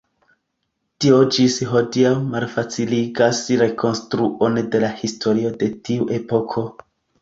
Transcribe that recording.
Tio ĝis hodiaŭ malfaciligas rekonstruon de la historio de tiu epoko.